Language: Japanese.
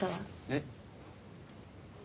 えっ。